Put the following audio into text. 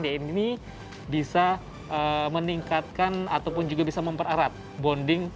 dm ini bisa meningkatkan ataupun juga bisa memperarat bonding